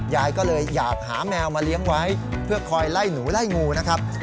ยายก็เลยอยากหาแมวมาเลี้ยงไว้เพื่อคอยไล่หนูไล่งูนะครับ